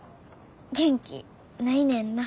元気ないねんな。